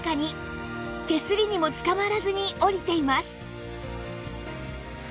手すりにもつかまらずに下りています